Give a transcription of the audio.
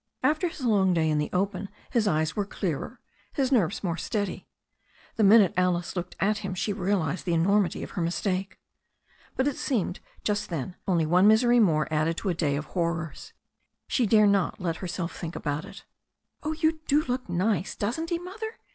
After his long day in the open his eyes were clearer, his nerves more steady. The minute Alice looked at him she realized the enormity of her mistake. But it seemed just then only one misery more added to a day of horrors. She dare not let herself think about it. "Oh, you do look nice; doesn't he, Mother?"